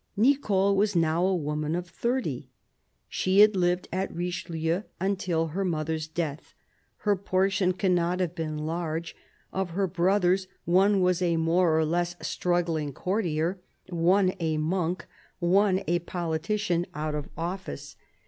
Nicole was now a woman of thirty. She had Hved at Richelieu until her mother's death ; her portion cannot have been large ; of her brothers, one was a more or less struggling courtier, one a monk, one a politician out of office.